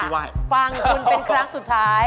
วัด